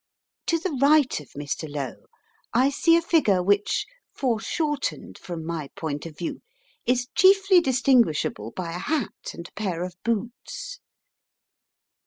To the right of Mr. Lowe I see a figure which, foreshortened from my point of view, is chiefly distinguishable by a hat and pair of boots.